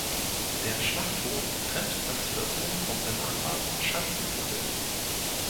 Der Schlachthof trennt das Viertel vom benachbarten Schanzenviertel.